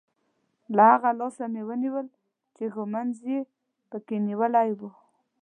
له هغه لاسه مې ونیول چې ږومنځ یې په کې نیولی وو.